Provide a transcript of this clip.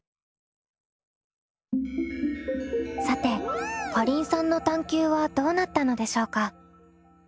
さてかりんさんの探究はどうなったのでしょうか？